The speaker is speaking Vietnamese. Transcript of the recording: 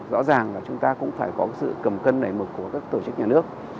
rõ ràng là chúng ta cũng phải có sự cầm cân nảy mực của các tổ chức nhà nước